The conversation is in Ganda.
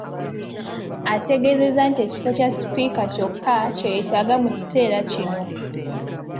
Ategeezezza nti ekifo kya Sipiika kyokka kye yeetaaga mu kiseera kino.